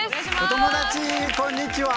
お友達こんにちは。